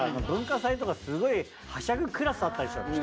文化祭とかすごいはしゃぐクラスあったでしょ。